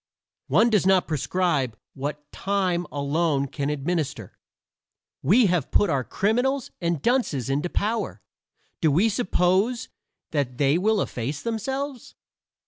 One does not prescribe what time alone can administer. We have put our criminals and dunces into power; do we suppose they will efface themselves?